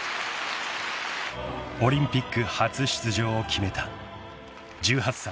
［オリンピック初出場を決めた１８歳。